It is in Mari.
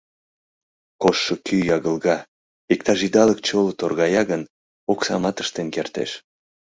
Коштшо кӱ ягылга, иктаж идалык чоло торгая гын. оксамат ыштен кертеш.